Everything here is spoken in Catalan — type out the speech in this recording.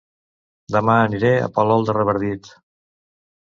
Dema aniré a Palol de Revardit